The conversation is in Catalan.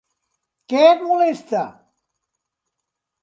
Què et molesta?